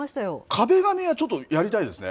壁紙はちょっとやりたいですね。